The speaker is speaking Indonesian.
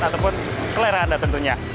ataupun selera anda tentunya